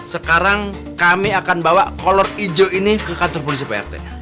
sekarang kami akan bawa kolor ijo ini ke kantor polisi pak rt